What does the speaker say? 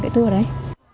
cái tour đấy